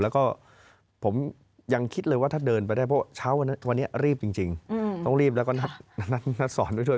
แล้วก็ผมยังคิดเลยว่าถ้าเดินไปได้เพราะเช้าวันนี้รีบจริงต้องรีบแล้วก็นัดสอนไปช่วย